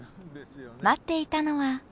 待っていたのは。